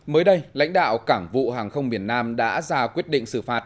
mới đây lãnh đạo cảng vụ hàng không biển nam đã ra quyết định xử phạt